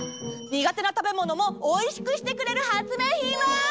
にがてなたべものもおいしくしてくれる発明品は？